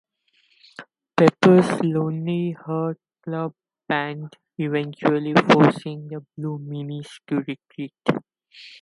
Pepper's Lonely Hearts Club Band, eventually forcing the Blue Meanies to retreat.